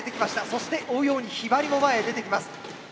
そして追うようにヒバリも前へ出てきます。